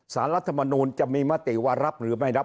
รัฐมนูลจะมีมติว่ารับหรือไม่รับ